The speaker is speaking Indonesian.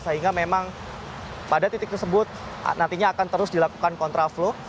sehingga memang pada titik tersebut nantinya akan terus dilakukan kontra flow